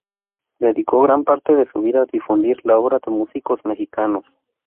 Dedicó gran parte de su vida a difundir la obra de músicos mexicanos.